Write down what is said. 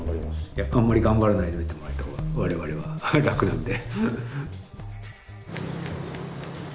いやあんまり頑張らないでおいてもらえたほうが我々は楽なんで。